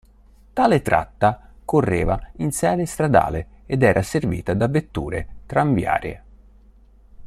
Tale tratta correva in sede stradale ed era servita da vetture tranviarie.